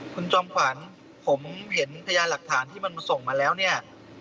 คุณจอมขวัญผมเห็นพยานหลักฐานที่มันส่งมาแล้วเนี่ย